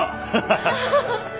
ハハハハ。